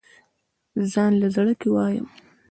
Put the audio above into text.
ځانله زړۀ کښې وايم